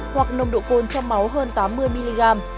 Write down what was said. hoặc nồng độ cồn trong máu hơn tám mươi mg